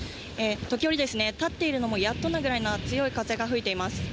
時折、立っているのもやっとなぐらいな強い風が吹いています。